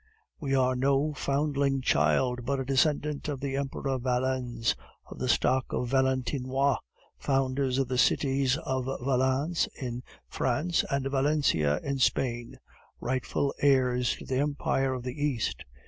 We are no foundling child, but a descendant of the Emperor Valens, of the stock of the Valentinois, founders of the cities of Valence in France, and Valencia in Spain, rightful heirs to the Empire of the East.